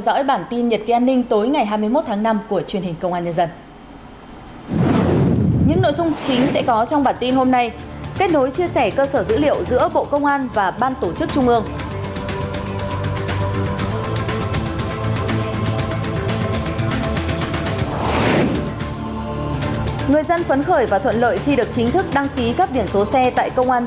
xin chào và hẹn gặp lại